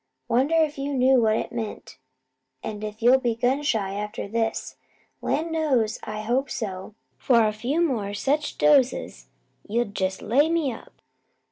Wonder if you knew what it meant, an' if you'll be gun shy after this. Land knows, I hope so; for a few more such doses 'ull jest lay me up."